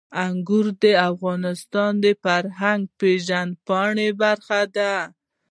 انګور د افغانانو د فرهنګي پیژندنې برخه ده.